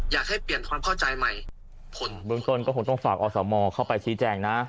อยากให้เปลี่ยนความเข้าใจใหม่ผมต้องฝากอสมเข้าไปชี้แจ้งนะ